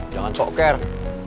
jangan sok care